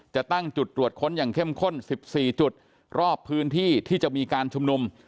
จะตั้งจุดตรวจค้นอย่างเข้มข้น๑๔จุดรอบพื้นที่ที่จะมีการชุมนุม